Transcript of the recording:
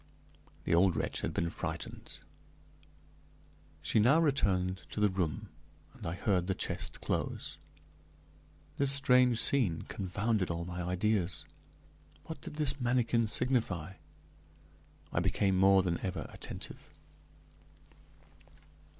The old wretch had been frightened. She now returned to the room, and I heard the chest close. This strange scene confounded all my ideas. What did this manikin signify? I became more than ever attentive.